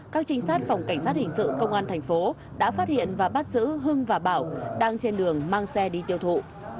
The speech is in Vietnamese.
cảnh sát hình sự công an tp cnh đã phát hiện và bắt giữ hưng và bảo đang trên đường mang xe đi tiêu thụ